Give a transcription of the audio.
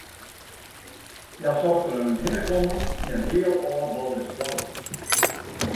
Hja sochten in hinnekommen yn in heal ôfboude skoalle.